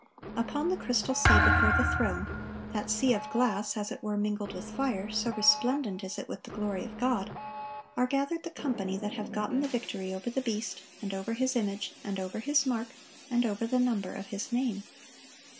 Upon the crystal sea before the throne, that sea of glass as it were mingled with fire,—so resplendent is it with the glory of God,—are gathered the company that have "gotten the victory over the beast, and over his image, and over his mark, and over the number of his name."